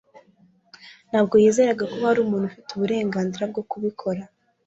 Ntabwo yizeraga ko hari umuntu ufite uburenganzira bwo kubikora